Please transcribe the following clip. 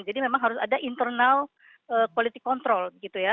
jadi memang harus ada internal quality control gitu ya